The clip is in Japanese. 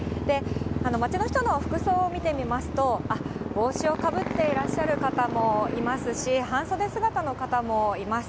街の人の服装を見てみますと、帽子をかぶっていらっしゃる方もいますし、半袖姿の方もいます。